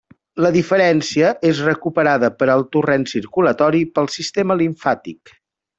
La diferència és recuperada per al torrent circulatori pel sistema limfàtic.